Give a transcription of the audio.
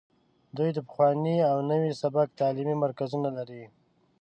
دوی د پخواني او نوي سبک تعلیمي مرکزونه لري